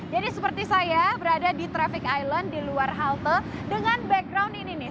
jadi seperti saya berada di traffic island di luar halte dengan background ini nih